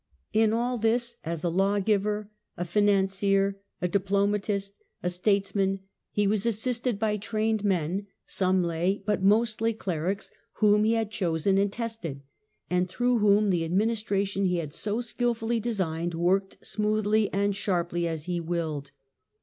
In all this, as a lawgiver, a financier, a diplomatist, a statesman, he was assisted by trained men, some lay, but mostly clerics, whom he had chosen and tested, and through whom the administration he had so skilfully designed worked smoothly and sharply as he willed.